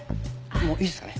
もういいですかね？